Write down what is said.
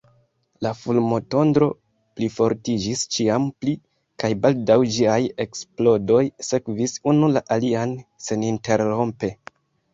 La fulmotondro plifortiĝis ĉiam pli, kaj baldaŭ ĝiaj eksplodoj sekvis unu la alian seninterrompe.